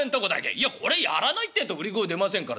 「いやこれやらないってえと売り声出ませんから。